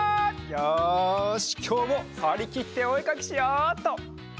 よしきょうもはりきっておえかきしようっと！